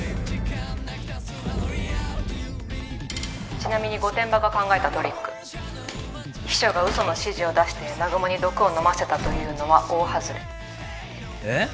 「ちなみに御殿場が考えたトリック秘書が嘘の指示を出して南雲に毒を飲ませたというのは大外れ」えっ？